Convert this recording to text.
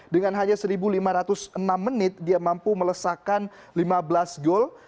dengan hanya satu lima ratus enam menit dia mampu melesakan lima belas gol